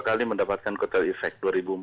kali mendapatkan kuatal efek dua ribu empat